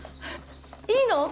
いいの？